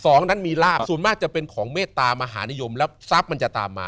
สองนั้นมีลาบส่วนมากจะเป็นของเมตตามหานิยมแล้วทรัพย์มันจะตามมา